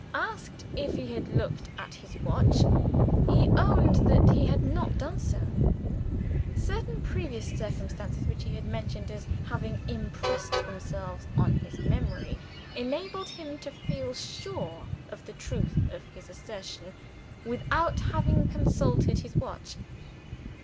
Asked if he had looked at his watch, he owned that he had not done so. Certain previous circumstances which he mentioned as having impressed themselves on his memory, enabled him to feel sure of the truth of his assertion, without having consulted his watch.